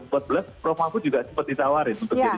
prof mahfud juga sempat ditawarin untuk jadi